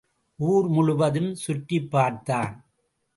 ஊர் முழுவதும் சுற்றிப்பார்த்தான்.